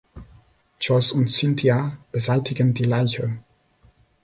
Joyce und Cynthia beseitigen die Leiche.